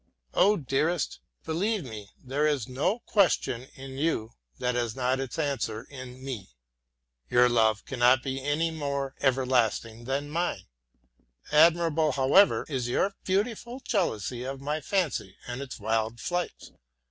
Oh, dearest! Believe me, there is no question in you that has not its answer in me. Your love cannot be any more everlasting than mine. Admirable, however, is your beautiful jealousy of my fancy and its wild flights.